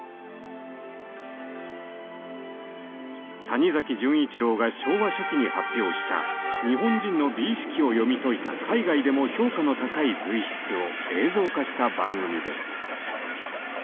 谷崎潤一郎が昭和初期に発表した日本人の美意識を読み解いた海外でも評価の高い随筆を映像化した番組です。